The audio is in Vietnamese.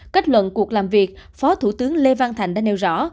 kết luận cuộc làm việc phó thủ tướng lê văn thành đã nêu rõ